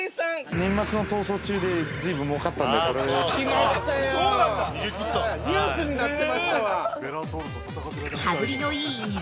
◆年末の「逃走中」で、随分もうかったので。